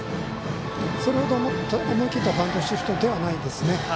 それほど思い切ったバントシフトではないですね。